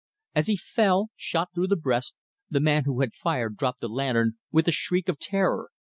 As he fell, shot through the breast, the man who had fired dropped the lantern with a shriek of terror.